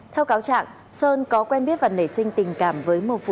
theo cáo trạng sơn có quen biết và nảy sinh tình cảm với một phụ nữ